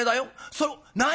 それを何？